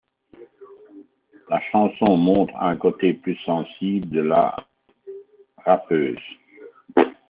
La chanson montre un côté plus sensible de la rappeuse.